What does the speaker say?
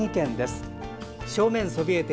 栃木県です。